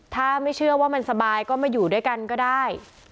ถ้าไม่เชื่อว่ามันสบายก็มาอยู่ด้วยกันก็ได้